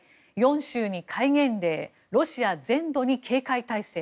４州に戒厳令ロシア全土に警戒体制